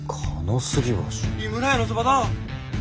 井村屋のそばだ！